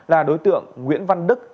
là đối tượng nguyễn văn đức